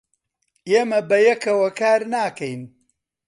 ئێمە بەیەکەوە کار ناکەین.